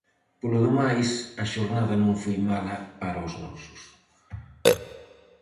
Polo demais, a xornada non foi mala para os nosos.